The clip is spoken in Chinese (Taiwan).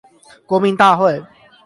國民大會